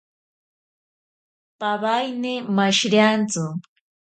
Pawaine mashiriantsi.